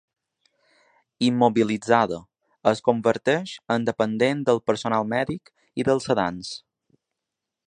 Immobilitzada, es converteix en dependent del personal mèdic i dels sedants.